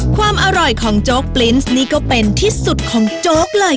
ความอร่อยของโจ๊กปลิ้นซ์นี่ก็เป็นที่สุดของโจ๊กเลย